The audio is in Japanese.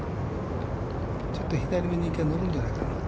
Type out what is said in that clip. ちょっと左めに乗るんじゃないかな。